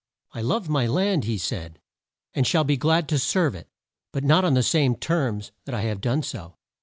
"I love my land," he said, "and shall be glad to serve it, but not on the same terms that I have done so."